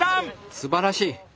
すばらしい！